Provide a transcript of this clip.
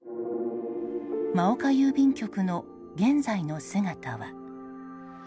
真岡郵便局の現在の姿は。